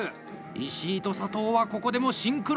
石井と佐藤はここでもシンクロ！